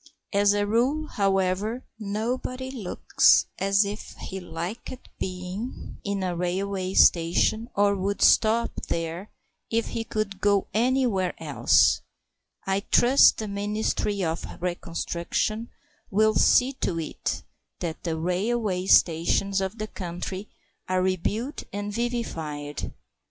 As a rule, however, nobody looks as if he liked being in a railway station or would stop there if he could go anywhere else. I trust the Ministry of Reconstruction will see to it that the railway stations of the country are rebuilt and vivified.